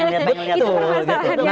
jangan dulu pengen lihat pengennya